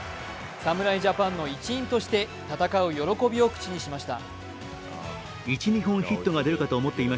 侍ジャパンの一員として戦う喜びを口にしました。